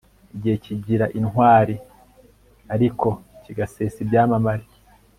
igihe kigira intwari ariko kigasesa ibyamamare